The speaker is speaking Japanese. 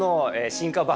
進化版。